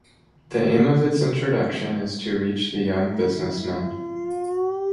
The aim of its introduction is to reach the young businessmen.